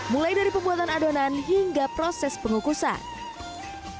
mulai dari pembuatan adonan hingga proses pengukusan